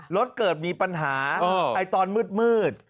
รถเกิดมีปัญหาตอนมืด